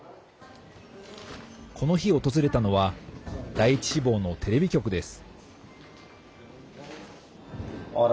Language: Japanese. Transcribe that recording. この日、訪れたのは第１志望のテレビ局です。